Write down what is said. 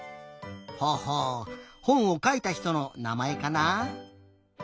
ほほうほんをかいたひとのなまえかな？